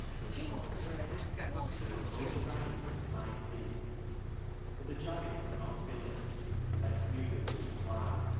" says Thorstein : and they were both as angry as they might be. But the giant would not kill him, and best knew the reason why.